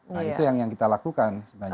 nah itu yang kita lakukan sebenarnya